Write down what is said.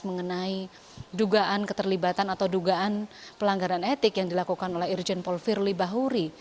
mengenai dugaan keterlibatan atau dugaan pelanggaran etik yang dilakukan oleh irjen paul firly bahuri